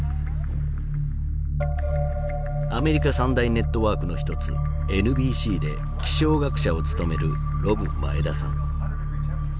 アメリカ三大ネットワークの一つＮＢＣで気象学者を務めるロブ・マエダさん。